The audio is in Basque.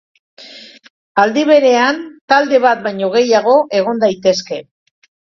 Aldi berean talde bat baino gehiago egon daitezke.